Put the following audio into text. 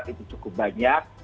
itu biasanya cukup banyak